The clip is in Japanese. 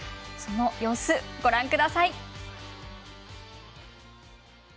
その様子、ご覧ください。